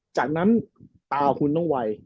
จากนั้นตาคุณต้องไว